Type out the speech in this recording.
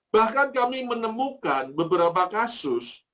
bahkan kami menemukan beberapa kasus